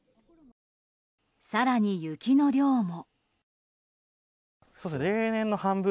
更に、雪の量も。